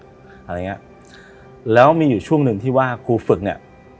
อะไรอย่างเงี้ยแล้วมีอยู่ช่วงหนึ่งที่ว่าครูฝึกเนี่ย